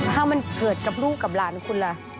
ถ้ามันเกิดกับลูกกับหลานคุณล่ะ